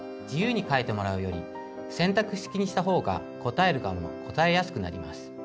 自由に書いてもらうより選択式にしたほうが答える側も答えやすくなります。